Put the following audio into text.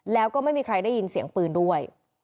แล้วก็ไม่มีใครได้ยินเสียงปืนด้วย